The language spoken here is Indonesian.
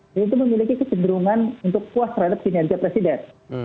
itu memiliki kecenderungan untuk puas terhadap kinerja presiden